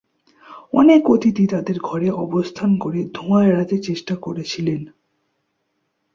অনেক অতিথি তাদের ঘরে অবস্থান করে ধোঁয়া এড়াতে চেষ্টা করেছিলেন।